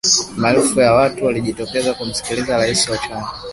Maelfu ya watu waliojitokeza kumsikiliza rais wa chama